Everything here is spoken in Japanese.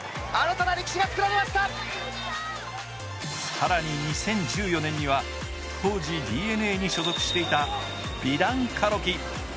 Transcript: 更に２０１４年には当時ＤｅＮＡに所属していたビダン・カロキ。